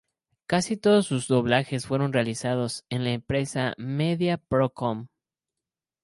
Casi todos sus doblajes fueron realizados en la empresa Media Pro Com.